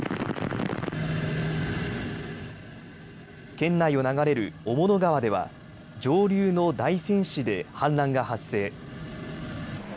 県内を流れる雄物川では上流の大仙市で氾濫が発生。